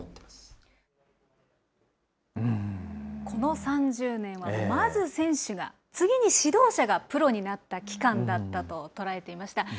この３０年はまず選手が、次に指導者がプロになった期間だったと捉えていました。